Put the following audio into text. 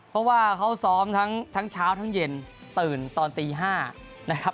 เพราะว่าเขาซ้อมทั้งเช้าทั้งเย็นตื่นตอนตี๕นะครับ